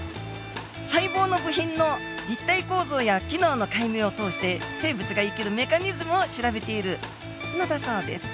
「細胞の部品の立体構造や機能の解明を通して生物が生きるメカニズムを調べている」のだそうです。